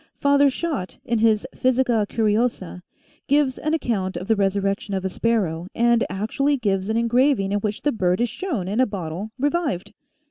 Father Schott, in his " Physica Curiosa," gives an account of the resurrection of a sparrow and actually gives an engraving in which the bird is shown in a bottle revived